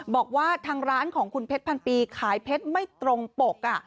บอกว่าทางร้านของคุณเพชรพันปีขายเพชรไม่ตรงปก